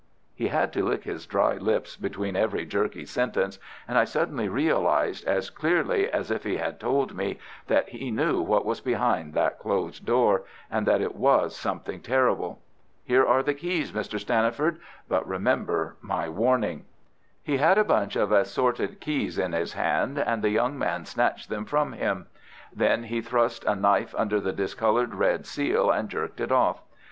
He had to lick his dry lips between every jerky sentence, and I suddenly realized, as clearly as if he had told me, that he knew what was behind that closed door, and that it was something terrible. "Here are the keys, Mr. Stanniford, but remember my warning!" He had a bunch of assorted keys in his hand, and the young man snatched them from him. Then he thrust a knife under the discoloured red seal and jerked it off.